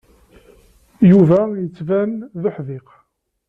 Yuba yettban d uḥdiq.